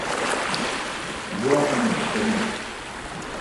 گوا این صدام۔